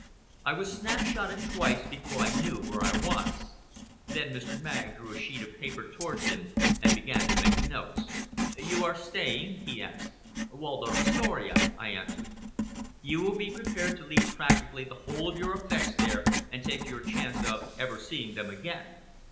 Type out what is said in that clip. I was snap shotted twice before I knew where I was. Then Mr. Magg drew a sheet of paper towards him, and began to make notes. "You are staying?" he asked. "Waldorf Astoria," I answered. "You will be prepared to leave practically the whole of your effects there, and take your chance of ever seeing them again."